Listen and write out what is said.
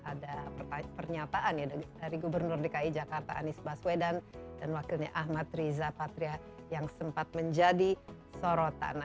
ada pernyataan ya dari gubernur dki jakarta anies baswedan dan wakilnya ahmad riza patria yang sempat menjadi sorotan